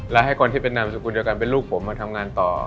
และให้คนที่เป็นนามสกุลเดียวกันเป็นลูกผมมาทำงานต่อ